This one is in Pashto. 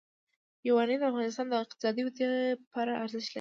یورانیم د افغانستان د اقتصادي ودې لپاره ارزښت لري.